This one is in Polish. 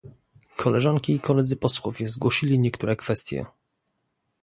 Koleżanki i koledzy posłowie zgłosili niektóre kwestie